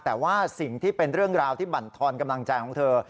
แต่ว่าสิ่งที่เป็นเรื่องราวที่บรรทอนกำลังใจของเธอ